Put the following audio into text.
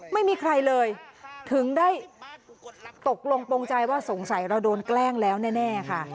ไม่มีใครเลยถึงได้ตกลงปงใจว่าสงสัยเราโดนแกล้งแล้วแน่ค่ะ